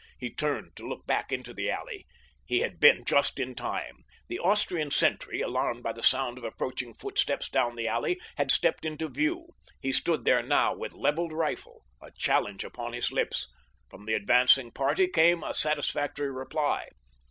He turned to look back into the alley. He had been just in time; the Austrian sentry, alarmed by the sound of approaching footsteps down the alley, had stepped into view. He stood there now with leveled rifle, a challenge upon his lips. From the advancing party came a satisfactory reply.